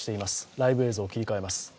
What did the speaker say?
ライブ映像切り替えます。